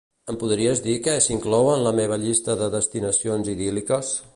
Em podries dir què s'inclou en la meva llista de destinacions idíl·liques?